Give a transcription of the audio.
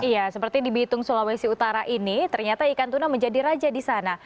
iya seperti di bitung sulawesi utara ini ternyata ikan tuna menjadi raja di sana